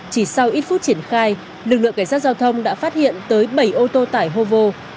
chỉ sau ít phút triển khai lực lượng cảnh sát giao thông đã phát hiện tới bảy ô tô tải hovo